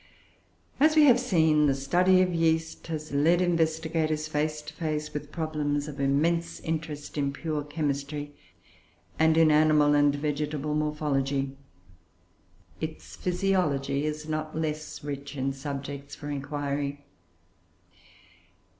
As we have seen, the study of yeast has led investigators face to face with problems of immense interest in pure chemistry, and in animal and vegetable morphology. Its physiology is not less rich in subjects for inquiry.